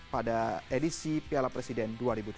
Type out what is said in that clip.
pada edisi piala presiden dua ribu tujuh belas